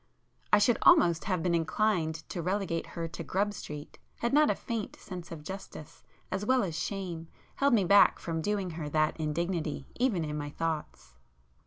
I should almost have been inclined to relegate her to 'Grub Street,' had not a faint sense of justice as well as shame held me back from doing her that indignity even in my thoughts.